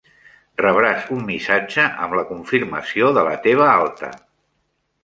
Rebràs un missatge amb la confirmació de la teva alta.